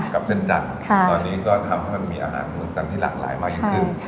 กับเส้นจัดตอนนี้ก็ทำให้มีอาหารเมืองจันทร์รามีมากยิ่งขึ้น